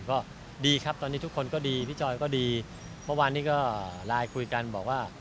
ก็ดีครับตอนนี้ทุกคนก็ดีพี่จอยก็ดีเมื่อวานนี้ก็ไลน์คุยกันบอกว่า